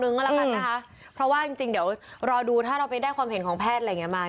เอาส่วนตัวดีฉันในผลนะคะ